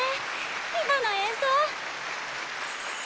今の演奏！